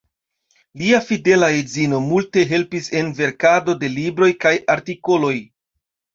Lia fidela edzino multe helpis en verkado de libroj kaj artikoloj.